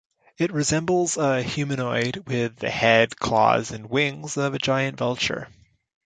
It resembles a humanoid with the head, claws, and wings of a giant vulture.